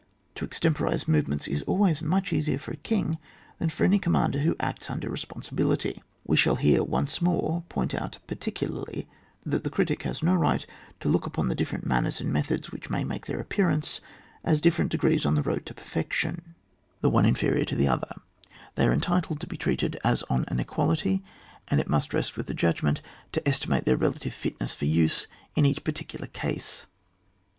To extemporise movements is always much easier for a king than for any commander who acts under res ponsibility. We shall here once more point out particularly that the critic has no right to look upon the different man* ners and methods which may make their appearance as different degrees on the road to perfection, the one inferior to the 208 ON WAR. [book VI other ; they are entitled to be treated ae on an equality, and it must rest with the judgment to estimate their relative fitness for use in each particular case.